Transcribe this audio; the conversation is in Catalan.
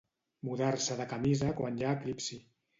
Mudar-se la camisa quan hi ha eclipsi.